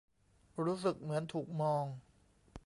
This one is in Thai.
รู้สึกเหมือนถูกมอง